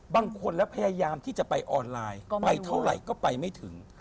บางคนแล้วพยายามที่จะไปออนไลน์ไปเท่าไหร่ก็ไปไม่ถึง